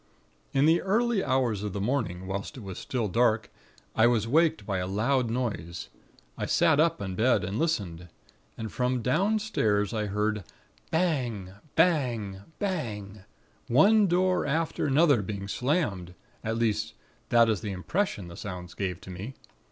"In the early hours of the morning, whilst it was still dark, I was waked by a loud noise. I sat up in bed, and listened. And from downstairs, I heard: bang, bang, bang, one door after another being slammed; at least, that is the impression the sounds gave to me.